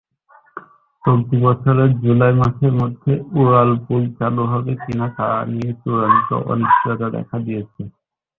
চলতি বছরের জুলাই মাসের মধ্যে উড়ালপুল চালু হবে কিনা তা নিয়ে চূড়ান্ত অনিশ্চয়তা দেখা দিয়েছে।